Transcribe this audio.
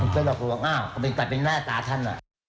ก็ลอกลวงอ้าวเป็นแรกตาท่าน